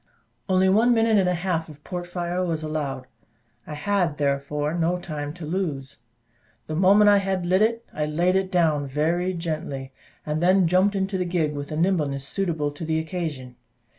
Only one minute and a half of port fire was allowed. I had therefore no time to lose. The moment I had lit it, I laid it down very gently, and then jumped into the gig, with a nimbleness suitable to the occasion.